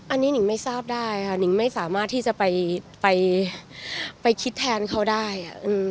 อันนี้หนิงไม่ทราบได้ค่ะนิงไม่สามารถที่จะไปคิดแทนเขาได้